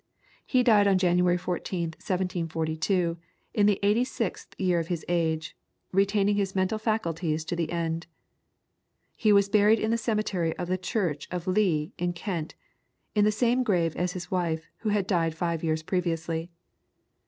He died on January 14th, 1742, in the eighty sixth year of his age, retaining his mental faculties to the end. He was buried in the cemetery of the church of Lee in Kent, in the same grave as his wife, who had died five years previously.